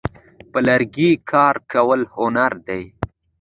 په لرګي کار کول هنر دی.